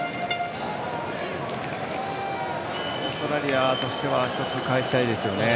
オーストラリアとしては１つ返したいですよね。